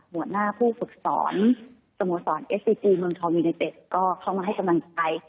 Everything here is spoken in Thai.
หัวหน้าผู้ฝึกสอนสมสรรค์เอสซีจีมือมทรวงวินาทิตย์ก็เข้ามาให้กำลังใจ